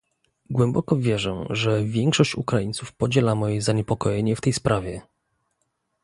Głęboko wierzę, że większość Ukraińców podziela moje zaniepokojenie w tej sprawie